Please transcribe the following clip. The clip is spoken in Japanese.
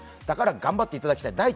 だから頑張っていただきたい。